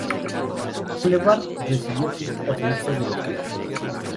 Boulevard recibió críticas mixtas de los críticos.